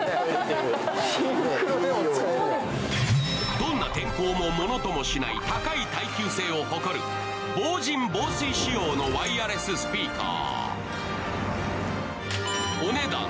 どんな天候もものともしない高い耐久性を誇る、防じん防水仕様のワイヤレススピーカー。